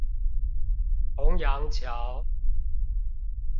虹揚橋